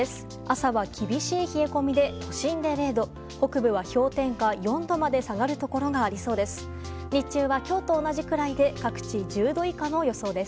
朝は厳しい冷え込みで都心で０度北部は氷点下４度まで下がるところがありそうです。